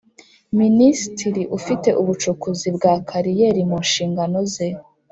Minisitiri ufite ubucukuzi bwa kariyeri mu nshingano ze